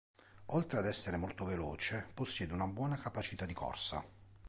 Oltre ad essere molto veloce, possiede una buona capacità di corsa.